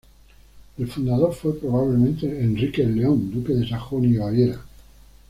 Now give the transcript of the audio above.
El fundador fue probablemente Enrique el León, duque de Sajonia y Baviera.